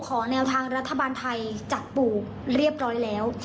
แนวทางรัฐบาลไทยจัดปลูกเรียบร้อยแล้ว